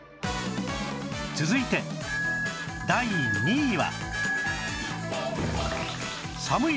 続いて第２位は